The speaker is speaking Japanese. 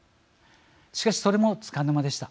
しかしそれもつかの間でした。